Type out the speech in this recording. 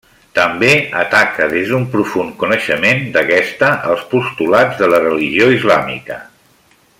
També ataca, des d'un profund coneixement d'aquesta, els postulats de la religió islàmica.